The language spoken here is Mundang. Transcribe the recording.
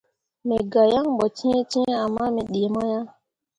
Me gah yaŋ ɓo cẽecẽe ama me ɗii mo ah.